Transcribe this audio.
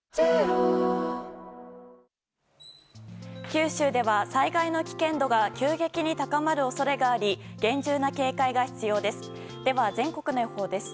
九州では災害の危険度が急激に高まる恐れがあり厳重な警戒が必要です。